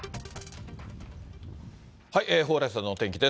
蓬莱さんのお天気です。